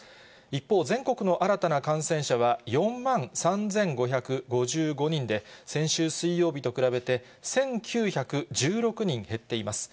一方、全国の新たな感染者は４万３５５５人で、先週水曜日と比べて、１９１６人減っています。